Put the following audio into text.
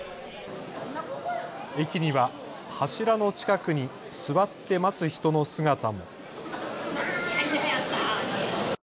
駅には柱の近くに座って待つ人の姿も。